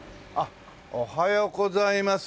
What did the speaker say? おはようございます。